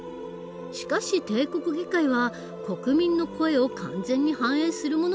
しかし帝国議会は国民の声を完全に反映するものではなかった。